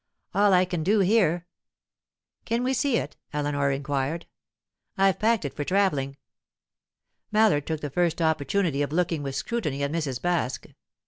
"All I can do here." "Can we see it?" Eleanor inquired. "I've packed it for travelling." Mallard took the first opportunity of looking with scrutiny at Mrs. Baske.